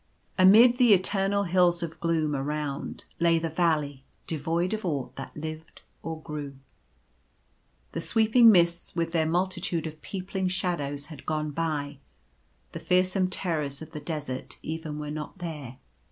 Amid the eternal hills of gloom around, lay the valley devoid of aught that lived or grew. The sweeping mists with their multitude of peopling shadows had gone by. The fearsome terrors of the desert even were not there.